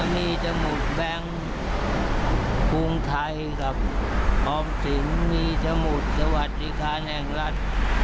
มีชมุดแบงค์ภูมิไทยครับออมสิงมีชมุดสวัสดิกาแห่งรัฐ